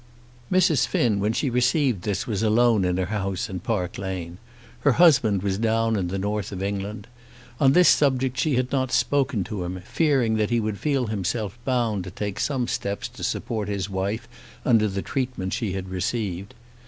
Mrs. Finn, when she received this, was alone in her house in Park Lane. Her husband was down in the North of England. On this subject she had not spoken to him, fearing that he would feel himself bound to take some steps to support his wife under the treatment she had received.